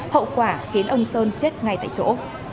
hậu quả khiến ông sơn chết ngay tại chỗ